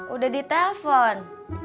udah di telpon